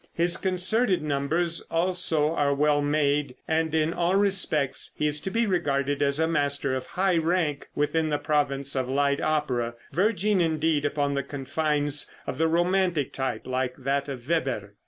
His concerted numbers also are well made, and in all respects he is to be regarded as a master of high rank within the province of light opera, verging indeed upon the confines of the romantic type, like that of Weber.